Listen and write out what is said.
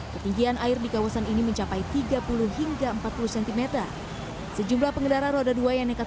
ketinggian air di kawasan ini mencapai tiga puluh hingga empat puluh cm sejumlah pengendara roda dua yang nekat